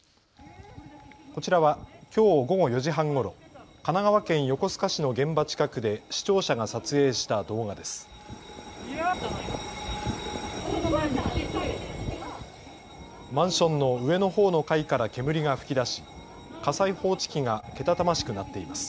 こちらはきょう午後４時半ごろ神奈川県横須賀市の現場近くで視聴者が撮影した動画です。